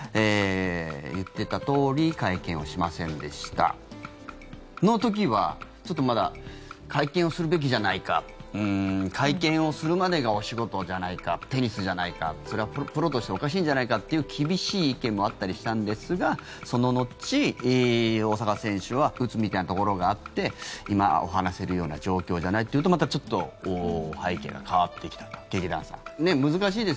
言ってたとおり会見をしませんでしたの時はちょっとまだ会見をするべきじゃないか会見をするまでがお仕事じゃないかテニスじゃないかそれはプロとしておかしいんじゃないかという厳しい意見もあったりしたんですがその後、大坂選手はうつみたいなところがあって今は話せるような状況じゃないと言うとまたちょっと背景が変わってきたと、劇団さん。